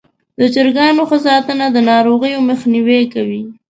د چرګانو ښه ساتنه د ناروغیو مخنیوی کوي.